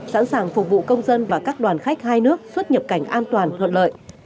sẵn sàng phục vụ công dân và các đoàn khách hai nước xuất nhập cảnh an toàn thuận lợi